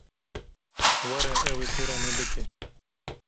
Were ew ê têra me bike.